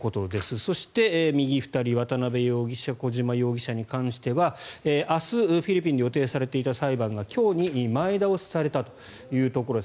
そして、右２人の渡邉容疑者小島容疑者に関しては明日フィリピンで予定されていた裁判が今日に前倒しされたというところです。